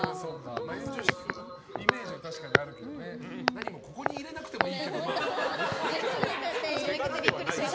炎上してるイメージは確かにあるけどね何もここに入れなくてもいい。